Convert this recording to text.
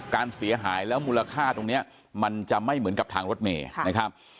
การเสียหายแล้วมูลค่าตรงนี้มันจะไม่เหมือนกับทางรถเมย์นะครับ